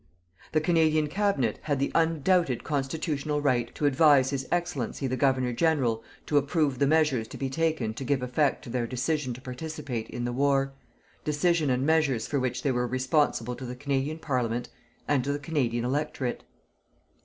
The Canadian Cabinet had the undoubted constitutional right to advise His Excellency the Governor General to approve the measures to be taken to give effect to their decision to participate in the war, decision and measures for which they were responsible to the Canadian Parliament and to the Canadian Electorate.